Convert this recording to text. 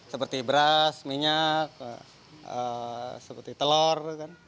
seperti beras minyak seperti telur